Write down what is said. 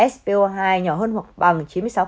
spo hai nhỏ hơn hoặc bằng chín mươi sáu